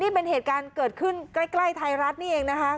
เป็นเหตุการณ์เกิดขึ้นใกล้ไทยรัฐนี่เองนะคะ